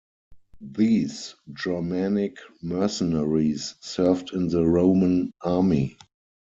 These Germanic mercenaries served in the Roman army.